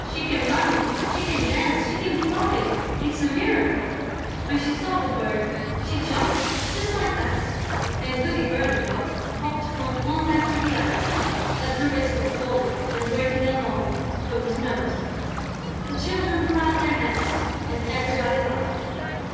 "She can run, she can dance, she can fly! It's a miracle! When she saw the bird, she jumped, just like that...." And Goody Berlingot hopped from one leg to the other at the risk of falling and breaking her long, hooked nose. The Children clapped their hands and everybody laughed.